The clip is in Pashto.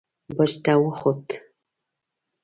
برج ته وخوت.